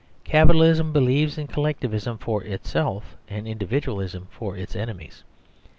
Capitalism believes in collectivism for itself and individualism for its enemies.